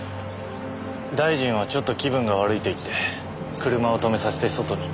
大臣はちょっと気分が悪いと言って車を止めさせて外に。